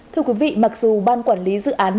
thưa quý vị mặc dù ban quản lý dự án